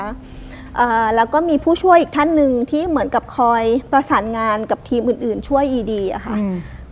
อ่าแล้วก็มีผู้ช่วยอีกท่านหนึ่งที่เหมือนกับคอยประสานงานกับทีมอื่นอื่นช่วยอีดีอะค่ะอืม